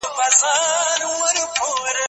خو له دین څخه باید سیاسي ګټه پورته نسي.